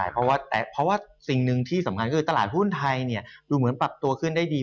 เพราะว่าสิ่งหนึ่งที่สำคัญคือตลาดหุ้นไทยดูเหมือนปรับตัวขึ้นได้ดี